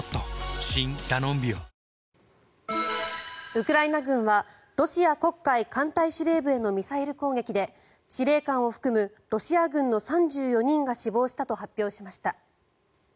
ウクライナ軍はロシア黒海艦隊司令部へのミサイル攻撃で司令官を含むロシア軍の３４人が死亡したと発表しました。